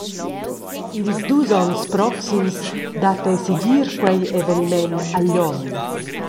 Ils dus onns proxims dat ei segir quei eveniment a Glion.